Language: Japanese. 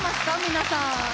皆さん。